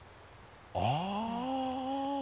ああ！